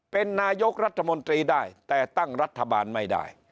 เป็นนายกรัฐมนตรีได้แต่ตั้งรัฐบาลไม่ได้